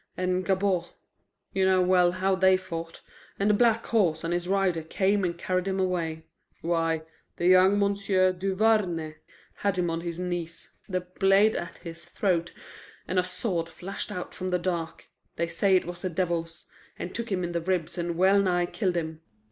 And Gabord you know well how they fought, and the black horse and his rider came and carried him away. Why, the young M'sieu' Duvarney had him on his knees, the blade at his throat, and a sword flashed out from the dark they say it was the devil's and took him in the ribs and well nigh killed him."